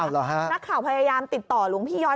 นักข่าวพยายามติดต่อหลวงพี่ย้อย